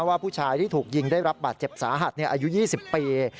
ว่าผู้ชายที่ถูกยิงได้รับบาดเจ็บสาหัสอายุ๒๐ปี